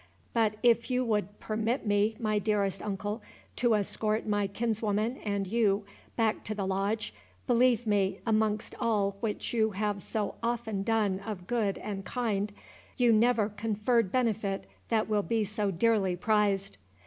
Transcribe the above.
But if you would permit me, my dearest uncle, to escort my kinswoman and you back to the Lodge, believe me, amongst all which you have so often done of good and kind, you never conferred benefit that will be so dearly prized."